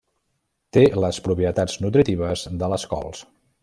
Té les propietats nutritives de les cols.